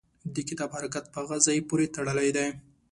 د کتاب حرکت په هغه ځای پورې تړلی دی.